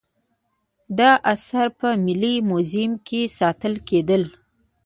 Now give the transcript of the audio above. دا اثار په ملي موزیم کې ساتل کیدل